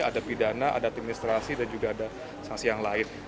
ada pidana ada administrasi dan juga ada sanksi yang lain